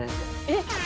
えっ？